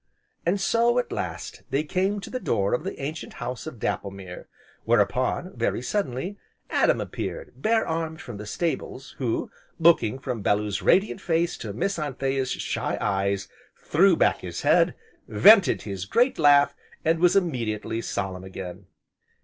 And so, at last, they came to the door of the ancient House of Dapplemere. Whereupon, very suddenly, Adam appeared, bare armed from the stables, who, looking from Bellew's radiant face to Miss Anthea's shy eyes, threw back his head, vented his great laugh, and was immediately solemn again.